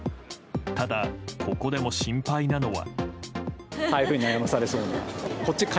ただ、ここでも心配なのは。